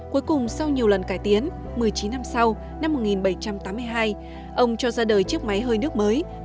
cuối cùng sau nhiều lần cải tiến một mươi chín năm sau năm một nghìn bảy trăm tám mươi hai ông cho ra đời chiếc máy hơi nước mới